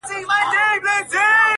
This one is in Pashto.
دی قرنطین دی په حجره کي؛